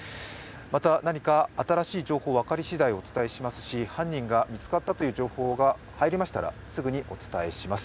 また何か新しい情報、分かりしだいお伝えしますし犯人が見つかったという情報が入りましたら、すぐにお伝えいたします。